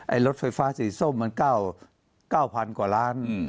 ไอ้รถไฟฟ้าสี่ส้มมัน๙๐๐๐กว่าล้านบาท